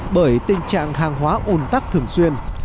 bởi tình trạng hàng hóa ồn tắc thường xuyên